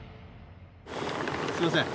すみません。